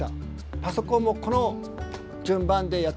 パソコンもこの順番でやっていけばいいと。